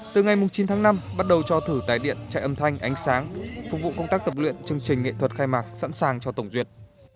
từ ngày chín tháng năm bắt đầu cho thử tài điện chạy âm thanh ánh sáng phục vụ công tác tập luyện chương trình nghệ thuật khai mạc sẵn sàng cho tổng duyệt